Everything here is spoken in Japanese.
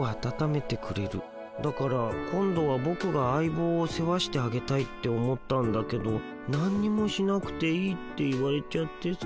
だから今度はボクが相ぼうを世話してあげたいって思ったんだけどなんにもしなくていいって言われちゃってさ。